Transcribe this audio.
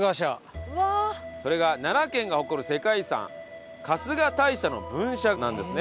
それが奈良県が誇る世界遺産春日大社の分社なんですね。